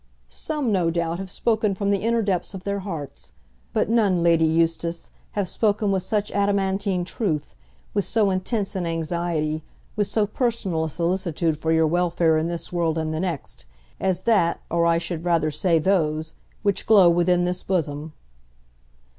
"Some, no doubt, have spoken from the inner depths of their hearts. But none, Lady Eustace, have spoken with such adamantine truth, with so intense an anxiety, with so personal a solicitude for your welfare in this world and the next, as that, or I should rather say those, which glow within this bosom."